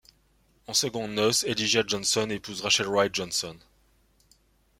En secondes noces, Elijah Johnson épouse Rachel Wright Johnson.